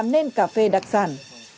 nên cà phê đặc sản